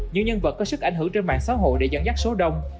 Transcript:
những nhân vật có sức ảnh hưởng trên mạng xã hội để dẫn dắt số đông